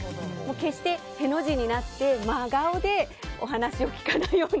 決してへの字になって真顔でお話を聞かないように。